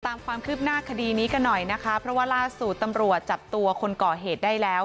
ตามความคืบหน้าคดีนี้กันหน่อยนะคะเพราะว่าล่าสุดตำรวจจับตัวคนก่อเหตุได้แล้ว